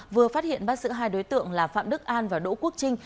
vừa phát hiện bắt giữ hai đối tượng là phạm đức an và đỗ quốc trinh